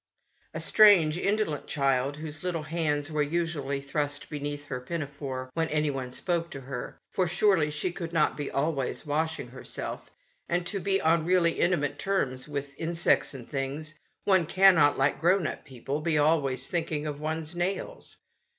A strange, indolent, not too clean child, whose little hands were usually thrust be neath her pinafore when anyone spoke to her; for surely she could not be always washing herself, and to be on really intimate terms with insects and things, one cannot, like grown up people, be always thinking of one's nails.